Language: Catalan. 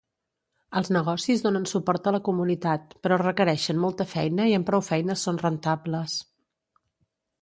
Els negocis donen suport a la comunitat, però requereixen molta feina i amb prou feines són rentables.